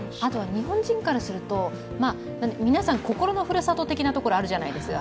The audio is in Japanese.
日本人からすると、皆さん、心のふるさと的なところがあるじゃないですか